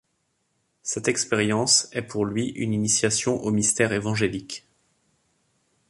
Cette expérience est pour lui une initiation aux mystères évangéliques.